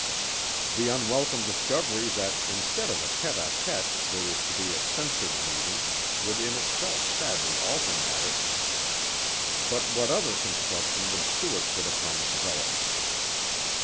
The unwelcome discovery that instead of a tête à tête there was to be a censored meeting would in itself sadly alter matters, but what other construction would Stuart put upon the development?